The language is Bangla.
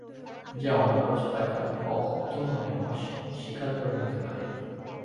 যা অনিবার্য তাকে আমি অক্ষুব্ধমনে স্বীকার করে নিতে পারি।